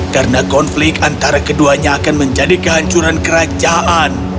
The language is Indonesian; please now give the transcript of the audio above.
karena konflik antara keduanya akan menjadi kehancuran kerajaan